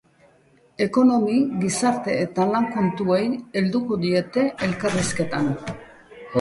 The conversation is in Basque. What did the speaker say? Ekonomi, gizarte eta lan kontuei helduko diete elkarrizketan.